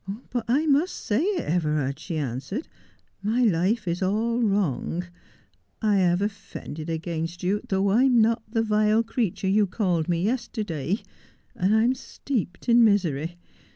" But I must say it, Everard," she answered. " My life is all wrong. I have offended against you, though I am not the vile creature you called me yesterday ; and I am steeped in misery.